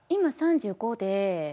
今３５で。